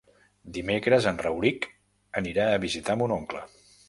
Dimecres en Rauric anirà a visitar mon oncle.